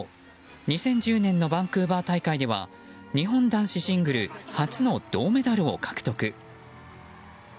２０１０年のバンクーバー大会では日本男子シングルス初の銅メダルを獲得。